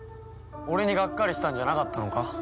俺にがっかりしたんじゃなかったのか？